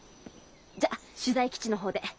じゃ取材基地の方で。